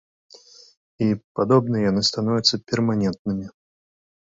І, падобна, яны становяцца перманентнымі.